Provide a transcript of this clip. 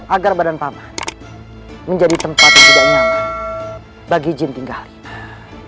agar badan paman menjadi tempat yang tidak nyaman bagi jin tinggalnya